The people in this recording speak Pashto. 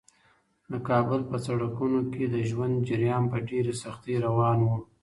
د کابل په سړکونو کې د ژوند جریان په ډېرې سختۍ روان و.